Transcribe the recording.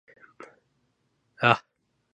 愛知県知立市